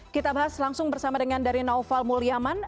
kita bahas langsung bersama dengan dari naufal mulyaman